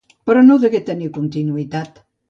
Però no degué tenir continuïtat.